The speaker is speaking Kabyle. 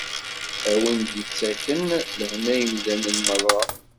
A win i d-ittaken lehna i yimdanen merra.